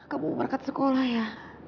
kamu berkat sekolah ya